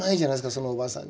そのおばあさんに。